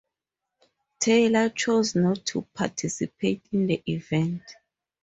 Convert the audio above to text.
Taylor chose not to participate in the event.